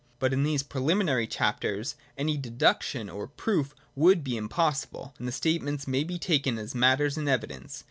But in these pre liminary chapters any deduction or proof would be impossible, and the statements may be taken as matters in evidence.